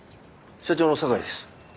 社長の坂井です。